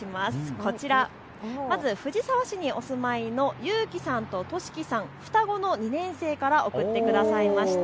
こちら、まず藤沢市にお住まいのゆうきさんととしきさん双子の２年生が送ってくださいました。